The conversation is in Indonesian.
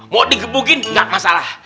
mau digebukin gak masalah